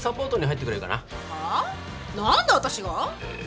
何で私が？